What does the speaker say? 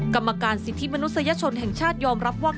กรรมการสิทธิมนุษยชนแห่งชาติยอมรับว่า